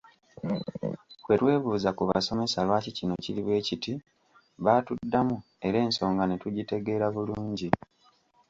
Bwe twebuuza ku basomesa lwaki kino kiri bwe kiti baatuddamu era ensonga ne tugitegeera bulungi.